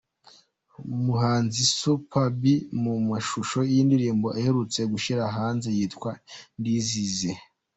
Umuhanzi Superb mu mashusho y'indirimbo aherutse gushyira hanze yitwa "Ndizize".